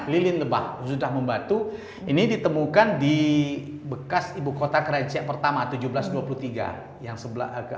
lili lebah sudah membantu ini ditemukan di bekas ibukota kerenciak pertama seribu tujuh ratus dua puluh tiga yang sebelah ke